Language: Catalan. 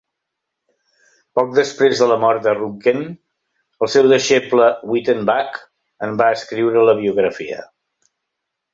Poc després de la mort de Ruhnken, el seu deixeble Wyttenbach en va escriure la biografia.